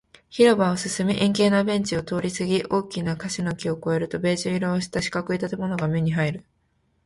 広場を進み、円形のベンチを通りすぎ、大きな欅の木を越えると、ベージュ色をした四角い建物が目に入る